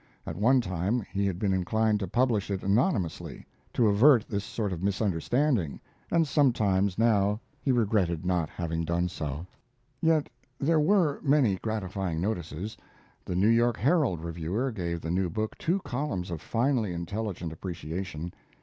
At one time, he had been inclined to publish it anonymously, to avert this sort of misunderstanding, and sometimes now he regretted not having done so. Yet there were many gratifying notices. The New York Herald reviewer gave the new book two columns of finely intelligent appreciation.